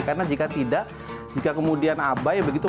karena jika tidak jika kemudian abai begitu